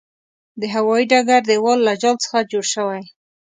د هوايې ډګر دېوال له جال څخه جوړ شوی.